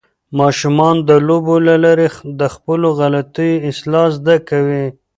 ماشومان د لوبو له لارې د خپلو غلطیو اصلاح زده کوي.